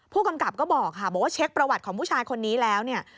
ผู้กำกับก็บอกค่ะบอกว่าเช็คประวัติของผู้ชายคนนี้แล้วเนี่ย